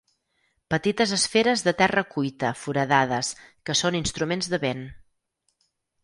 Petites esferes de terra cuita foradades que són instruments de vent.